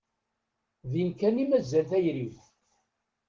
Din kan i mazal tayri-w.